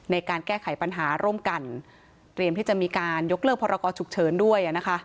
ในการแก้ไขปัญหาร่วมกันเตรียมที่จะมีการยกเลิกพรกรฉุกเฉินด้วยนะคะ